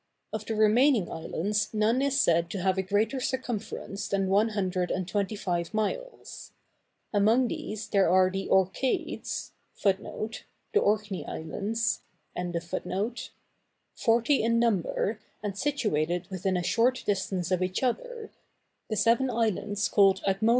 Of the remaining islands none is said to have a greater circumference than one hundred and twenty five miles. Among these there are the Orcades, forty in number, and situated within a short distance of each other, the seven islands called Acmodæ.